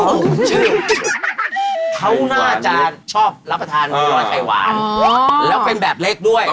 โอ้โหชื่อเท้าหน้าจานชอบรับประทานหัวไข่หวานแล้วเป็นแบบเล็กด้วย